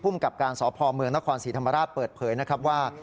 กับการสพเมืองนครศรีธรรมราชเปิดเผยนะครับว่า